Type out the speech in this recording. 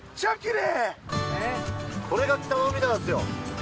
これが北の海なんすよ。